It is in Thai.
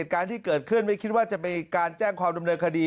การที่เกิดขึ้นไม่คิดว่าจะมีการแจ้งความดำเนินคดี